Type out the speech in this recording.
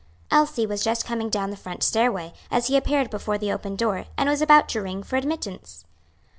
Elsie was just coming down the front stairway, as he appeared before the open door, and was about to ring for admittance.